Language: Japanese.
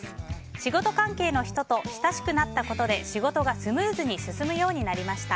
仕事関係の人と親しくなったことで仕事がスムーズに進むようになりました。